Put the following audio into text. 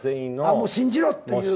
もう「信じろ」っていう。